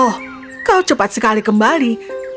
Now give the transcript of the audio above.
oh kau cepat sekali kembali